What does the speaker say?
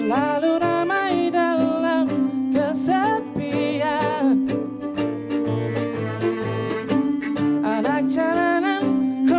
salah peri yang palsu